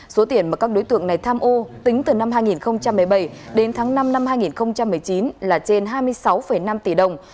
số tiền mà các đối tượng này tham ô tính từ năm hai nghìn một mươi bảy đến tháng năm năm hai nghìn một mươi chín là trên hai mươi sáu năm tỷ đồng